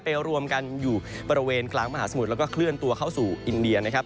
รวมกันอยู่บริเวณกลางมหาสมุทรแล้วก็เคลื่อนตัวเข้าสู่อินเดียนะครับ